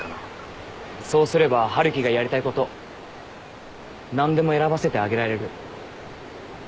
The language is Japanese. そうすれば春樹がやりたいこと何でも選ばせてあげられる。